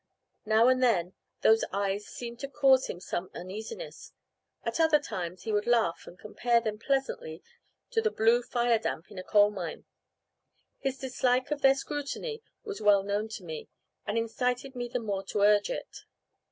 Now and then, those eyes seemed to cause him some uneasiness; at other times he would laugh and compare them pleasantly to the blue fire damp in a coal mine. His dislike of their scrutiny was well known to me, and incited me the more to urge it.